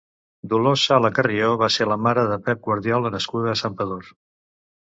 Dolors Sala Carrió va ser la mare de Pep Guardiola, nascuda a Santpedor.